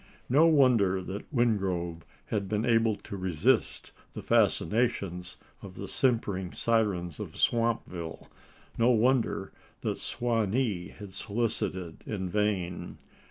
No wonder that Wingrove had been able to resist the fascinations of the simpering syrens of Swampville no wonder that Su wa nee had solicited in vain!